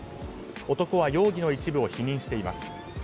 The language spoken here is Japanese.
男は容疑の一部を否認しています。